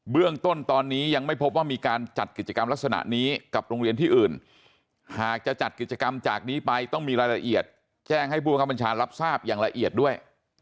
เรื่องต้นตอนนี้ยังไม่พบว่ามีการจัดกิจกรรมลักษณะนี้กับโรงเรียนที่อื่นหากจะจัดกิจกรรมจากนี้ไปต้องมีรายละเอียดแจ้งให้ผู้บังคับบัญชารับทราบอย่างละเอียดด้วย